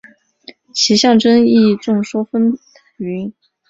其象征意义众说纷纭。